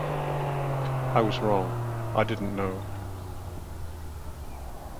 I was wrong, I didn't know.